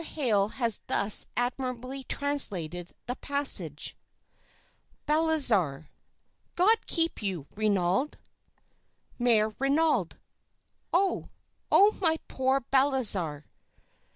Hale has thus admirably translated the passage: "BALTHAZAR. "God keep you, Renaud! "MÈRE RENAUD. "Oh! O my poor Balthazar.